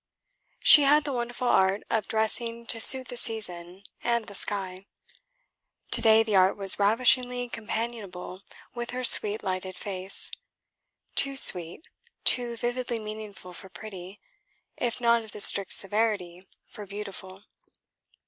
She had the wonderful art of dressing to suit the season and the sky. To day the art was ravishingly companionable with her sweet lighted face: too sweet, too vividly meaningful for pretty, if not of the strict severity for beautiful.